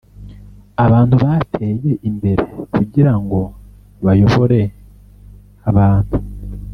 Abantu bateye imbere kugirango bayobore abantu